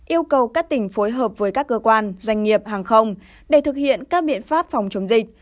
yêu cầu các tỉnh phối hợp với các cơ quan doanh nghiệp hàng không để thực hiện các biện pháp phòng chống dịch